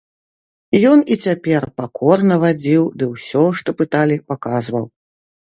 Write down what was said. Ён і цяпер пакорна вадзіў ды ўсё, што пыталі, паказваў.